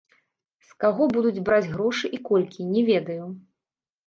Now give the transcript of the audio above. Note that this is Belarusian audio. З каго будуць браць грошы і колькі, не ведаю.